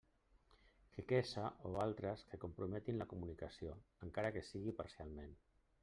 Quequesa o altres que comprometin la comunicació, encara que sigui parcialment.